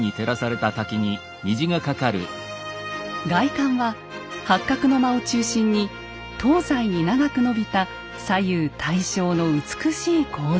外観は八角の間を中心に東西に長く延びた左右対称の美しい構造。